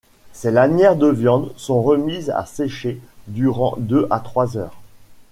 Ces lanières de viande sont remises à sécher durant deux à trois heures.